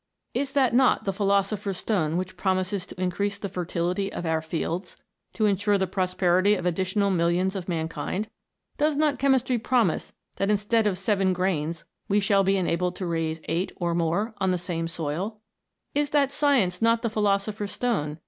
Is that not the phi losopher's stone which promises to increase the fertility of our fields, and to ensure the prosperity of additional millions of mankind ? Does not che mistry promise that instead of seven grains we shall be enabled to raise eight, or more, on the same soil 1 Is that science not the philosopher's stone 80 MODERN ALCHEMY.